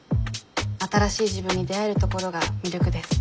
新しい自分に出会えるところが魅力です。